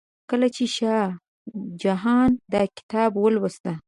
کله چې شاه جهان دا کتاب ولوست.